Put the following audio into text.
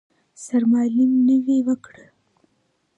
سرمالم نوې وکړه.